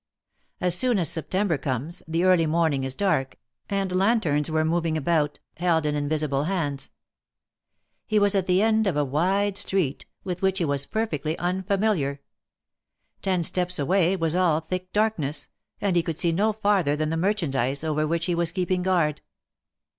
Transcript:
As soon as September comes, the early morning is dark, and lanterns were moving about, held in invisible hands. He was at the end of a wide street with which he was perfectly unfamiliar; ten steps away it was all thick darkness, and he could see no farther than 1 THE MARKETS OP PARIS. 29 the merchandise over which he was keeping guard.